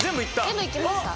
全部いきました？